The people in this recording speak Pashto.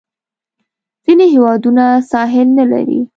ځینې هیوادونه ساحل نه لري.